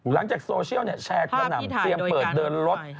หลังจากโซเชียลแชร์กระหน่ำเตรียมเปิดเดินรถ